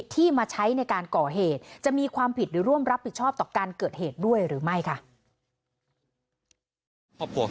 ที่มาใช้ในการก่อเหตุจะมีความผิดหรือร่วมรับผิดชอบต่อการเกิดเหตุด้วยหรือไม่ค่ะ